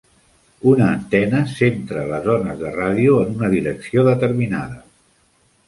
Una antena centra les ones de ràdio en una direcció determinada.